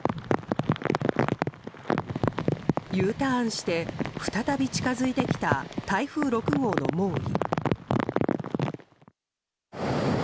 Ｕターンして再び近づいてきた台風６号の猛威。